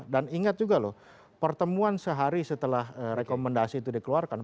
dan ingat juga loh pertemuan sehari setelah rekomendasi itu dikeluarkan